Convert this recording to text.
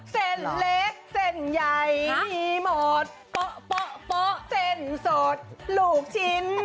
เส้นเล็กเส้นใหญ่มีหมดโป๊ะเส้นสดลูกชิ้น